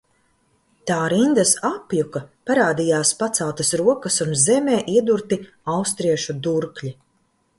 Tā rindas apjuka, parādījās paceltas rokas un zemē iedurti austriešu durkļi.